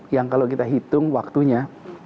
yang kalau kita hitung waktunya